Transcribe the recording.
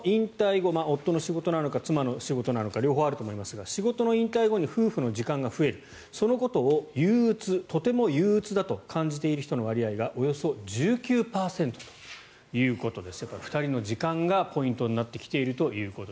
後夫の仕事なのか妻の仕事なのか両方あると思いますが仕事の引退後に夫婦の時間が増えるそのことを憂うつ、とても憂うつだと感じている人の割合がおよそ１９％ということです。